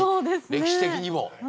歴史的にも。